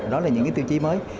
đó là những tiêu chí mới